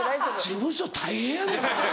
事務所大変やねん。